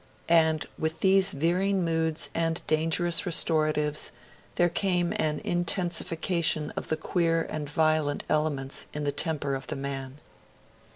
And, with these veering moods and dangerous restoratives, there came an intensification of the queer and violent elements in the temper of the man.